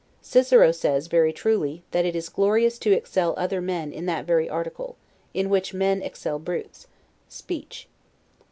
Cicero says, very truly, that it is glorious to excel other men in that very article, in which men excel brutes; SPEECH.